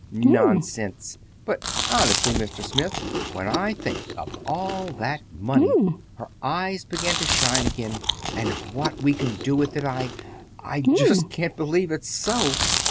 "Nonsense! But, honestly, Mr. Smith, when I think of all that money"—her eyes began to shine again—"and of what we can do with it, I—I just can't believe it's so!"